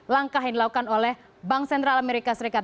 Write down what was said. langkah yang dilakukan oleh bank sentral amerika serikat